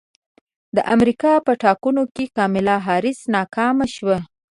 د امریکا په ټاکنو کې کاملا حارس ناکامه شوه